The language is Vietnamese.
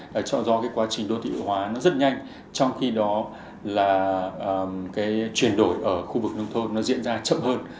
là do quá trình đô thị hóa rất nhanh trong khi đó là chuyển đổi ở khu vực nông thôn diễn ra chậm hơn